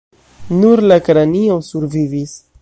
Nur la kranio survivis.